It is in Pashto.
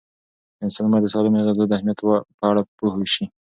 انسان باید د سالمې غذا د اهمیت په اړه پوه شي.